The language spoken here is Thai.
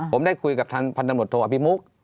ผมได้คุยกับท่านพันธบทโมทโภคพี่มุก